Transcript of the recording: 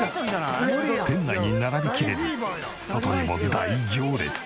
店内に並びきれず外にも大行列！